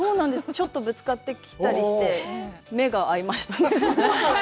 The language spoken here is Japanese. ちょっとぶつかってきたりして、目が合いました。